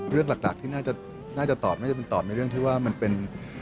เรื่องหลักที่น่าจะตอบน่าจะเป็นตอบในเรื่องที่ว่ามันเป็น